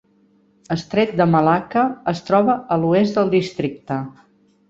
Estret de Malacca es troba a l'oest del districte.